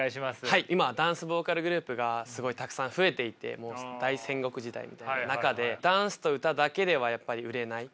はい今ダンスボーカルグループがすごいたくさん増えていて大戦国時代みたいな中でダンスと歌だけではやっぱり売れない。